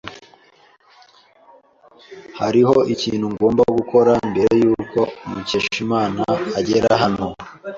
Hariho ikintu ngomba gukora mbere yuko Mukeshimana agera hano.